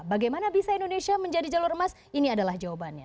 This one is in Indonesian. bagaimana bisa indonesia menjadi jalur emas ini adalah jawabannya